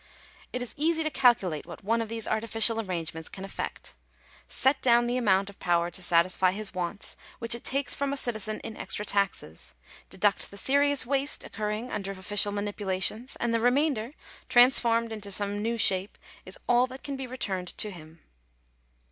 It is easy to calculate what one of these artificial arrangements can effect Set down the amount of power to satisfy his wants, which it takes from a citizen in extra taxes ; deduct the serious waste occurring under official manipulations ; and the remainder, transformed into some new shape, is all that can be returned to him.